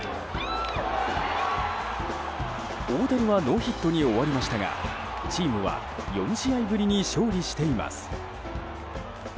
大谷はノーヒットに終わりましたがチームは４試合ぶりに勝利しています。